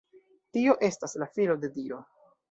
Tio estas la Filo de Dio.